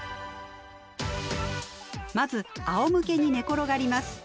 まずあおむけに寝転がります。